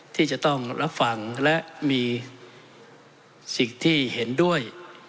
ที่จะต้องรับฟังและมีสิ่งที่เห็นด้วย